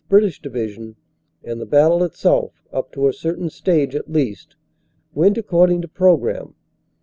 British Division, and the battle itself, up to a certain stage at least, went according to pro gramme.